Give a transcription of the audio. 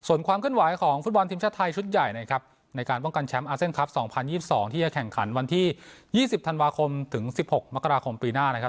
ส่วนความเคลื่อนไหวของฟุตบอลทีมชาติไทยชุดใหญ่นะครับในการป้องกันแชมป์อาเซียนคลับ๒๐๒๒ที่จะแข่งขันวันที่๒๐ธันวาคมถึง๑๖มกราคมปีหน้านะครับ